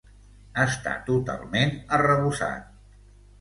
Està totalment arrebossat.